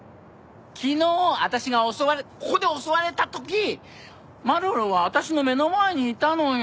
昨日私がここで襲われた時マロロは私の目の前にいたのよ？